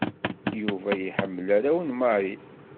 Yuba yeḥmmel arraw n Marie.